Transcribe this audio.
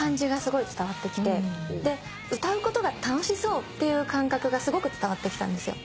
で歌うことが楽しそうっていう感覚がすごく伝わってきたんですよ。